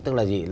tức là gì